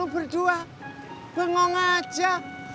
lu berdua bengong aja